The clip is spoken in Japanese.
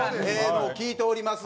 聞いておりますなんか。